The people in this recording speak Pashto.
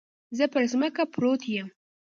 زه پر ځمکه پروت يم.